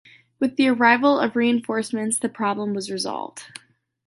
With the arrival of reinforcements the problem was resolved.